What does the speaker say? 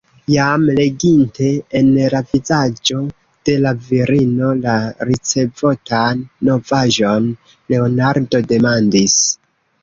Jam leginte en la vizaĝo de la virino la ricevotan novaĵon, Leonardo demandis: